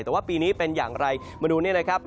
แต่ว่าปีนี้เป็นอย่างไรมาดูนี่นะครับ